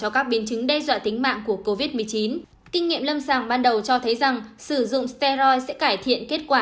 kinh nghiệm lâm sàng ban đầu cho thấy rằng sử dụng steroid sẽ cải thiện kết quả